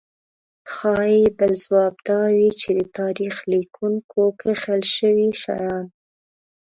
ښايي بل ځواب دا وي چې د تاریخ لیکونکو کښل شوي شیان.